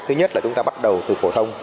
thứ nhất là chúng ta bắt đầu từ phổ thông